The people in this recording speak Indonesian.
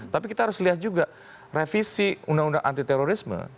tapi kita harus lihat juga revisi undang undang anti terorisme